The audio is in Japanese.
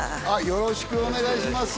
よろしくお願いします